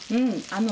あの。